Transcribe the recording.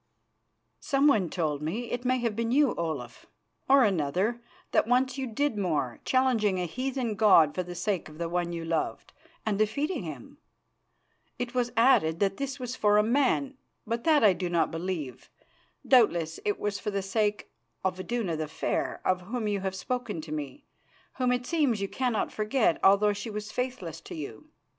"Someone told me it may have been you, Olaf, or another that once you did more, challenging a heathen god for the sake of one you loved, and defeating him. It was added that this was for a man, but that I do not believe. Doubtless it was for the sake of Iduna the Fair, of whom you have spoken to me, whom it seems you cannot forget although she was faithless to you.